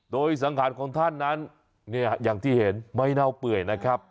โดยสังขารของท่านนั้นเนี่ยอย่างที่เห็นไม่เน่าเปื่อยนะครับ